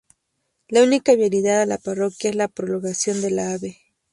La única vialidad a la parroquia es la prolongación de la Ave.